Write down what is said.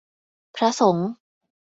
พระสงฆ์